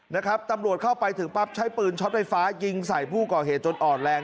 นะครับตำรวจเข้าไปถึงปั๊บใช้ปืนช็อตไฟฟ้ายิงใส่ผู้ก่อเหตุจนอ่อนแรง